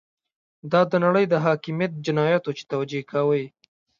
دا د نړۍ د حاکميت جنايت وو چې توجیه يې کاوه.